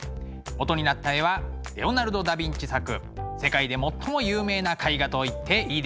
元になった絵はレオナルド・ダ・ヴィンチ作世界で最も有名な絵画と言っていいでしょう「モナ・リザ」です。